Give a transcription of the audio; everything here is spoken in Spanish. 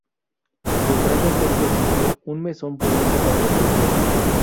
Detrás del templo existió un mesón público para los viajeros.